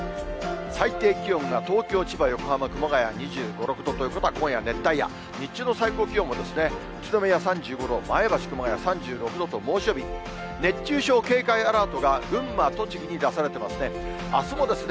最低気温が東京、千葉、横浜、熊谷、２５、６度ということは、今夜熱帯夜、日中の最高気温も宇都宮３５度、前橋、熊谷３６度と猛暑日、熱中症警戒アラートが、群馬、栃木に出されてますね。